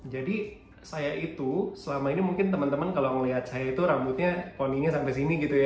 jadi saya itu selama ini mungkin teman teman kalau melihat saya itu rambutnya poninya sampai sini gitu ya